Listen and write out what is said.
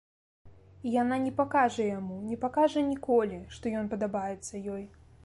І яна не пакажа яму, не пакажа ніколі, што ён падабаецца ёй.